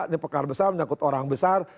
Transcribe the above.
ini pekar besar menyangkut orang besar